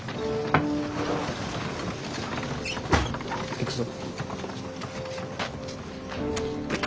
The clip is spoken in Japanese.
行くぞ。